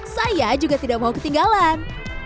saya juga tidak mau ketinggalan